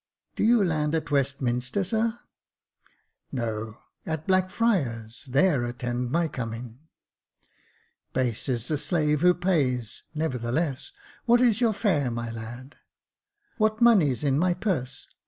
Do you land at Westminster, sir ?" 26o Jacob Faithful " No ; at Blackfriars — there attend my coming. " Base is the slave who pays ; nevertheless, what is your fare, my lad ?" What money's in my purse